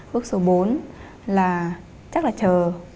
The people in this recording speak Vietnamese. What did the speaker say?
bước số bốn là chắc là chờ